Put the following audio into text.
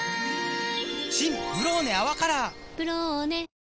新「ブローネ泡カラー」「ブローネ」